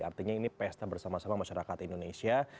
artinya ini pesta bersama sama masyarakat indonesia